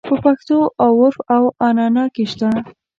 په پښتو او عُرف او عنعنه کې شته.